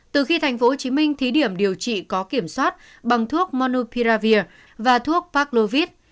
từ khi thành phố hồ chí minh thí điểm điều trị có kiểm soát bằng thuốc monopiravir và thuốc paglovit